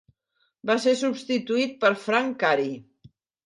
Va ser substituït per Frank Cary.